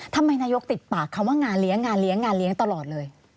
ทำไมนายกติดปากคำว่างานเลี้ยงงานเลี้ยงงานเลี้ยงตลอดเลย